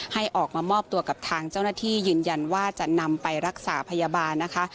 ให้ออกมามอบตัวกับทางเจ้าหน้าที่ยืนยันว่าจะนำไปรักษาพยาบาลนะคะ